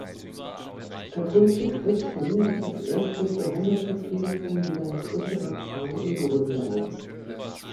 Katholische Christen gibt es erst durch die Heimatvertriebenen wieder in größerer Zahl in Gründau.